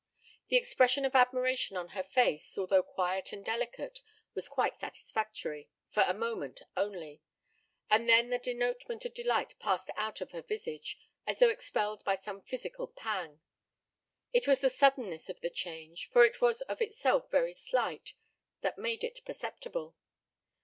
The expression of admiration on her face, although quiet and delicate, was quite satisfactory for a moment only; and then the denotement of delight passed out of her visage, as though expelled by some physical pang. It was the suddenness of the change, for it was of itself very slight, that made it perceptible.